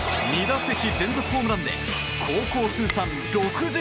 ２打席連続ホームランで高校通算６６本！